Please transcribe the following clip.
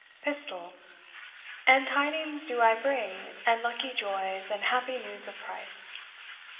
PISTOL. And tidings do I bring, and lucky joys, And happy news of price.